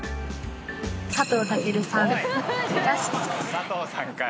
佐藤さんかい。